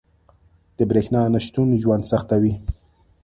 • د برېښنا نه شتون ژوند سختوي.